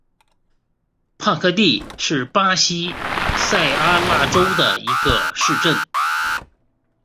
帕科蒂是巴西塞阿拉州的一个市镇。